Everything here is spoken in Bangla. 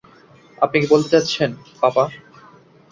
আপনি কি বলতে চাচ্ছেন, পাপা?